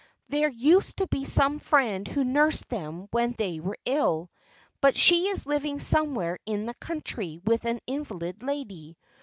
There used to be some friend who nursed them when they were ill, but she is living somewhere in the country with an invalid lady.